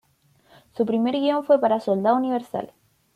Su primer guion fue para "Soldado Universal.